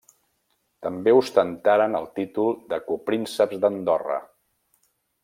També ostentaren el títol de coprínceps d'Andorra.